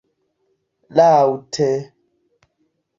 laŭte